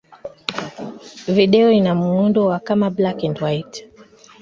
Video ina muundo wa kama black-and-white.